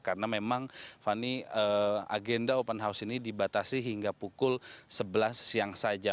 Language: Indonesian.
karena memang funny agenda open house ini dibatasi hingga pukul sebelas siang saja